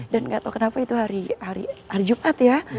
dan gak tau kenapa itu hari jumat ya